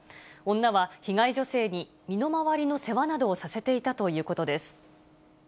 女は、被害女性に身の回りの世話などをさせていたということです。